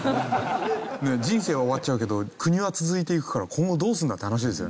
人生は終わっちゃうけど国は続いていくから今後どうするんだって話ですよね。